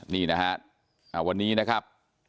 นี่นะฮะวันนี้นะครับ